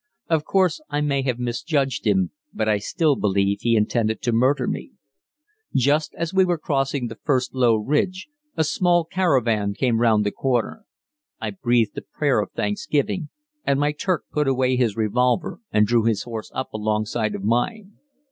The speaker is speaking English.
Of course I may have misjudged him, but I still believe he intended to murder me. Just as we were crossing the first low ridge a small caravan came round the corner. I breathed a prayer of thanksgiving, and my Turk put away his revolver and drew his horse up alongside of mine.